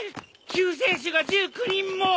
救世主が１９人も！